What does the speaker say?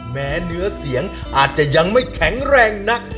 แม้เนื้อเสียงอาจจะยังไม่แข็งแรงนัก